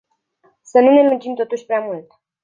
Să nu ne lungim totuși prea mult.